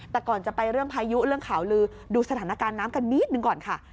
แต่ก่อนจะไปเรื่องพายุเรื่องข่าวลือดูสถานการณ์น้ำกันนิดหนึ่งก่อนค่ะ